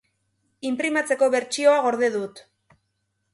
Inprimatzeko bertsioa gorde dut.